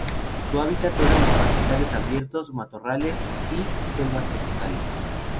Su hábitat eran los pastizales abiertos, matorrales y las selvas tropicales.